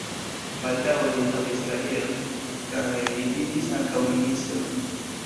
Baldaŭe li havis karieron kaj li iĝis ankaŭ ministro.